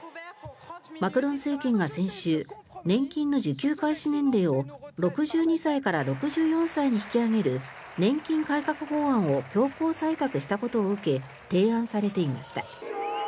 マクロン政権が先週年金の受給開始年齢を６２歳から６４歳に引き上げる年金改革法案を強行採択したことを受け提案されていました。